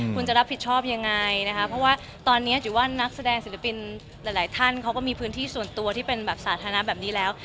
คุณจะรับผิดชอบยังไงนะคะเพราะว่าตอนนี้ถือว่านักแสดงศิลปินหลายท่านเขาก็มีพื้นที่ส่วนตัวที่เป็นแบบสาธารณะแบบนี้แล้ว